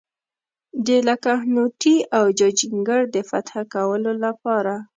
د لکهنوتي او جاجینګر د فتح کولو لپاره.